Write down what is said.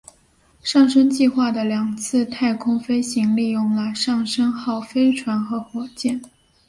上升计划的两次太空飞行利用了上升号飞船和火箭。